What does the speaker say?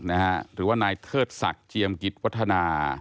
หรือว่านายเทิดศักดิ์เจียมกิจวัฒนา